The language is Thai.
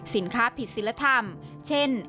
สินค้าผิดศิลธรรมเช่น